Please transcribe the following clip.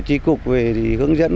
tri cục về hướng dẫn